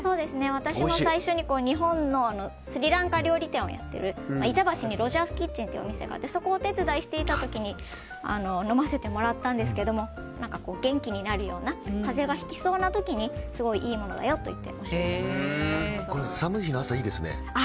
私も最初に日本のスリランカ料理店をやっている板橋にロジャースキッチンというお店があってそこをお手伝いしていた時に飲ませてもらったんですが元気になるような風邪をひきそうな時にすごいいいものだよと言って寒い日の朝、いいですね。